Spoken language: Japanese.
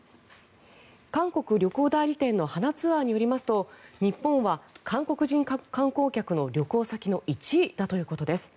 韓国旅行代理店のハナツアーによりますと日本は韓国人観光客の旅行先の１位だということです。